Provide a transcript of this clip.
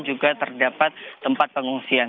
juga terdapat tempat pengungsian